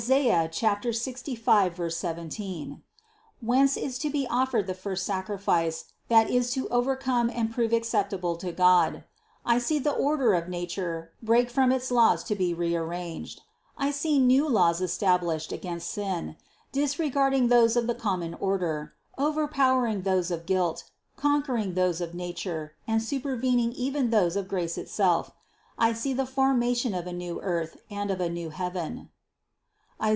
65, 17), whence is to be of fered the first sacrifice that is to overcome and prove acceptable to God ; I see the order of nature break from its laws to be rearranged; I see new laws established 182 CITY OF GOD against sin, disregarding those of the common order, overpowering those of guilt, conquering those of na ture and supervening even those of grace itself; I see the formation of a new earth, and of a new heaven (Is.